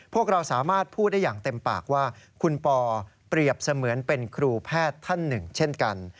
พวกเราสามารถพูดได้อย่างเต็มปากว่าคุณปอเปรียบเสมือนเป็นครูแพทย์ท่านหนึ่งเช่นกัน